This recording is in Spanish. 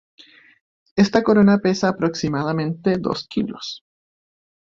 Esta corona pesa aproximadamente dos kilos.